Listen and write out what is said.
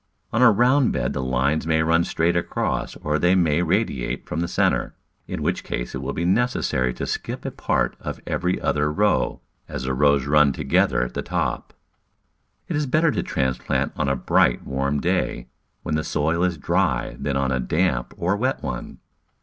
On a round bed the lines may run straight across or they may radiate from the centre, in which case it will be necessary to skip a part of every other row, as the rows run together at the top. It is better to transplant on a bright, warm day when the soil is dry than on a damp or wet one.